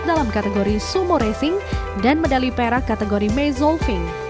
dalam kategori sumo racing dan medali perak kategori mezolving